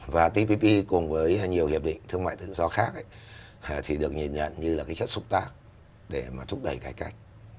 và tpp cùng với nhiều hiệp định thương mại tự do khác thì được nhìn nhận như là cái chất xúc tác để mà thúc đẩy cải cách